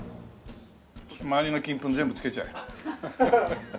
周りの金粉全部つけちゃえ。